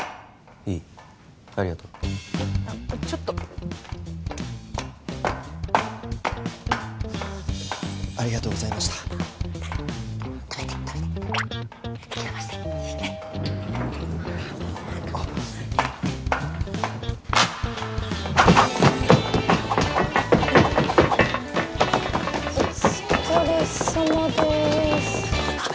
いいありがとうえっあっちょっとありがとうございました竹本竹本止めて止めて引き延ばしてねっあっお疲れさまですあっ